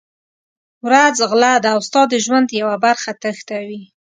ورځ غله ده او ستا د ژوند یوه برخه تښتوي.